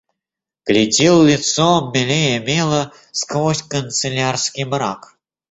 Глядел, лицом белее мела, сквозь канцелярский мрак.